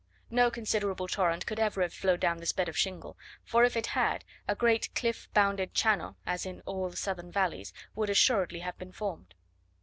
No considerable torrent could ever have flowed down this bed of shingle; for if it had, a great cliff bounded channel, as in all the southern valleys, would assuredly have been formed.